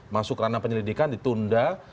masuk ranah penyelidikan ditunda